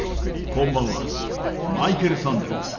こんばんはマイケル・サンデルです。